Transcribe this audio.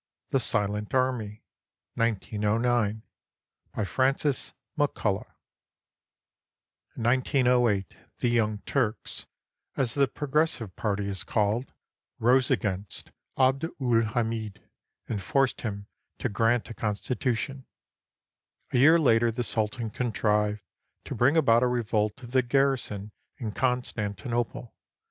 THE SILENT ARMY BY FRANCIS MCCULLAGH [In 1908 the "Young Turks," as the progressive party is called, rose against Abd ul Hamid and forced him to grant a constitution. A year later the sultan contrived to bring about a revolt of the garrison in Constantinople.